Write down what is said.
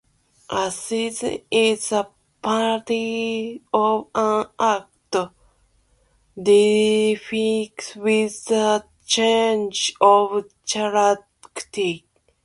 A scene is a part of an act defined with the changing of characters.